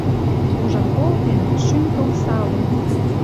Ужын колтем — шӱм тылсалым!